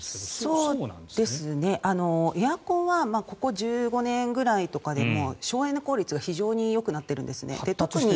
そうですね、エアコンはここ１５年ぐらいとかで省エネ効率が非常によくなっているんですね。